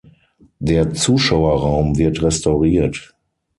Der Zuschauerraum wird restauriert.